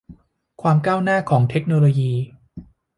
ความก้าวหน้าของเทคโนโลยี